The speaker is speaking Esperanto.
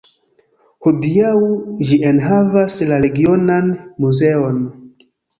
Hodiaŭ ĝi enhavas la regionan muzeon.